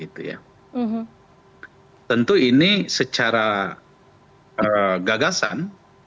tentu ini secara gagasan